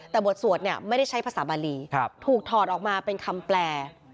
แต่บทสวดเนี่ยไม่ได้ใช้ภาษาบาลีถูกถอดออกมาเป็นคำแปล